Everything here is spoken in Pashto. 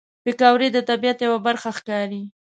پکورې د طبیعت یوه برخه ښکاري